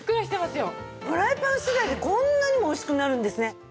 フライパン次第でこんなにも美味しくなるんですね。